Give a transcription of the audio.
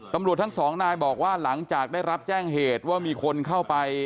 ตำรวจทั้งสองนายบอกว่าหลังจากได้รับแจ้งเหตุว่ามีคนเข้าไป